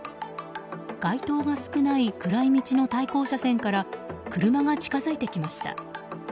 街灯が少ない暗い道の対向車線から車が近づいてきました。